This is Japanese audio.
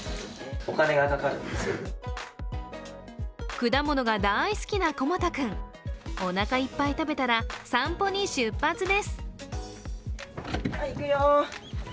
果物が大好きなコモ太君、おなかいっぱい食べたら散歩に出発です。